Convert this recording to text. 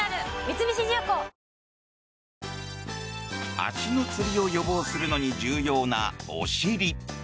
足のつりを予防するのに重要なお尻。